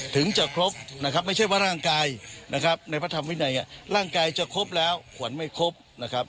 ถึงจะครบนะครับไม่ใช่ว่าร่างกายนะครับในพระธรรมวินัยร่างกายจะครบแล้วขวัญไม่ครบนะครับ